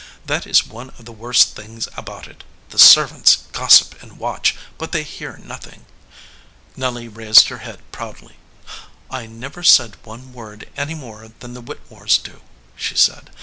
That is one of the worst things about it the ser vants gossip and watch, but they hear nothing." Nelly raised her head proudly. "I never say one word any more than the Whittemores do/ she said.